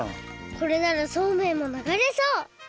これならそうめんもながれそう！